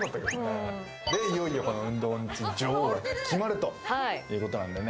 いよいよ運動音痴女王が決まるということなのでね。